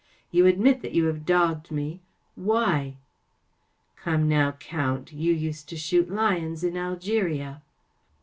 You admit that vou have dogged me. Why ? ‚ÄĚ 44 Come now, Count. You used to shoot lions in Algeria.